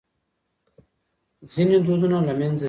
ځينې دودونه له منځه ځي.